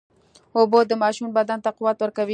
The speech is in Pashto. اوبه د ماشوم بدن ته قوت ورکوي.